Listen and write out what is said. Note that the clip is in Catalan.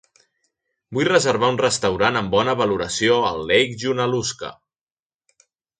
Vull reservar un restaurant amb bona valoració a Lake Junaluska.